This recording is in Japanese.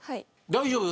大丈夫